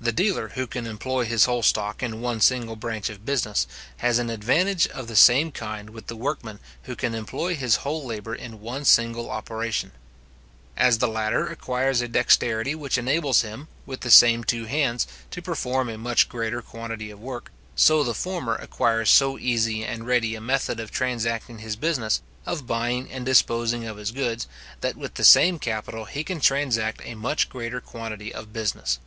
The dealer who can employ his whole stock in one single branch of business, has an advantage of the same kind with the workman who can employ his whole labour in one single operation. As the latter acquires a dexterity which enables him, with the same two hands, to perform a much greater quantity of work, so the former acquires so easy and ready a method of transacting his business, of buying and disposing of his goods, that with the same capital he can transact a much greater quantity of business.